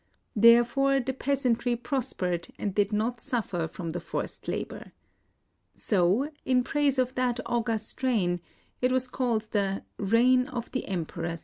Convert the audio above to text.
Therefore the peasantry prospered, and did not suffer from the forced labor. So, in praise of that august reign, it was called the Reign of the Emperor Sage.